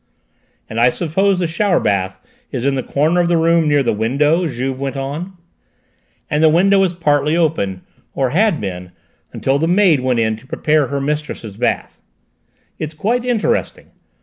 "And I suppose the shower bath is in the corner of the room near the window?" Juve went on. "And the window was partly open, or had been until the maid went in to prepare her mistress's bath? It's quite interesting!